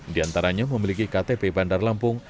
di antaranya memiliki ktp bandar lampung